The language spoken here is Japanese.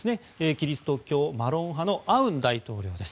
キリスト教マロン派のアウン大統領です。